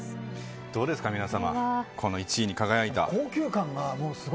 どうですか、皆様この１位に輝いた。